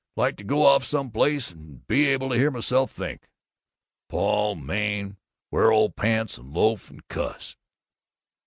Like to go off some place and be able to hear myself think.... Paul... Maine.... Wear old pants, and loaf, and cuss."